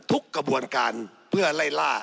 กระบวนการเพื่อไล่ล่า